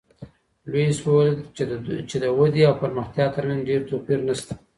لویس وویل چی د ودي او پرمختیا ترمنځ ډېر توپیر نشته.